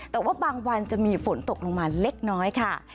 แต่ว่าบางวันจะมีฝนตกลงมาเล็กน้อยค่ะ